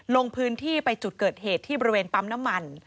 ลงพื้นที่ไปจุดเกิดเหตุที่บริเวณปั๊มน้ำมัน